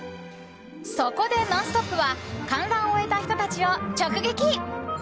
そこで「ノンストップ！」は観覧を終えた人たちを直撃。